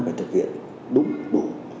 phải thực hiện đúng đủ